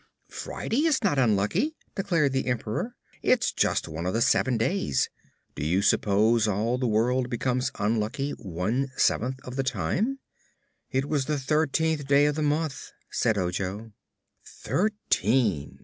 "Friday is not unlucky," declared the Emperor. "It's just one of seven days. Do you suppose all the world becomes unlucky one seventh of the time?" "It was the thirteenth day of the month," said Ojo. "Thirteen!